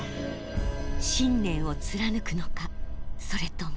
信念を貫くのかそれとも。